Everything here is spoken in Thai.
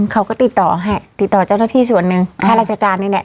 เขาก็ติดต่อให้ติดต่อเจ้าหน้าที่ส่วนหนึ่งค่าราชการนี่แหละ